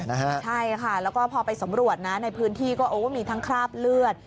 ใช่ค่ะแล้วก็พอไปสำรวจนะในพื้นที่ก็โอ้มีทั้งคราบเลือด